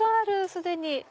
既に。